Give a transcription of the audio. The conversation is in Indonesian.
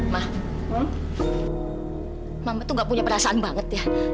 mama tuh gak punya perasaan banget ya